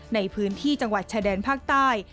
ในพื้นที่จังหวัดชายแดนภาคใต้